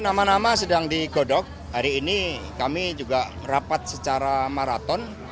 nama nama sedang digodok hari ini kami juga rapat secara maraton